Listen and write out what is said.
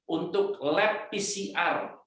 untuk lab pcr